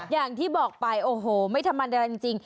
อย่างที่บอกไปโอ้โหไม่ธรรมดาจริง